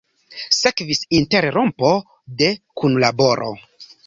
Sekvis interrompo de kunlaboro.